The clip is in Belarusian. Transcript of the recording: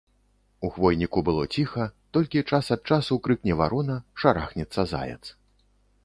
У хвойніку было ціха, толькі час ад часу крыкне варона, шарахнецца заяц.